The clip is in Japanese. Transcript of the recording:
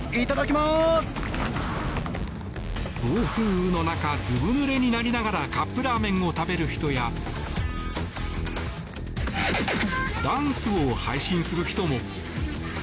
暴風雨の中ずぶぬれになりながらカップラーメンを食べる人やダンスを配信する人も。